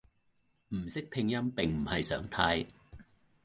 唔識拼音並唔係常態